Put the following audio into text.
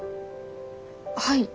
はい。